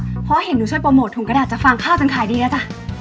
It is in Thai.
เพราะเห็นหนูช่วยโปรโมทถุงกระดาษจะฟางข้าวจนขายดีแล้วจ้ะ